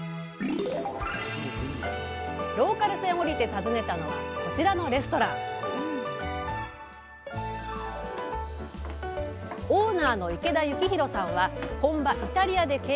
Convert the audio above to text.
ローカル線を降りて訪ねたのはこちらのレストランオーナーの池田征弘さんは本場イタリアで経験を積み